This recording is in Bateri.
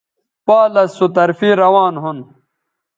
پالس سو طرفے روان ھون